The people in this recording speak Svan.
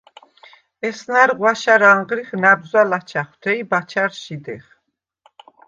ესნა̈რ ღვაშა̈რ ანღრიხ ნა̈ბზვა̈ ლაჩა̈ხვთე ი ბაჩა̈რს შიდეხ.